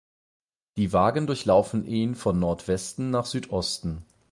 Die Wagen durchlaufen ihn von Nordwesten nach Südosten.